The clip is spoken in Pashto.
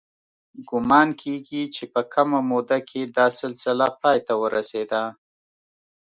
ګومان کېږي چې په کمه موده کې دا سلسله پای ته ورسېده